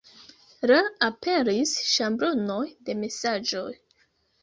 La aperis ŝablonoj de mesaĝoj.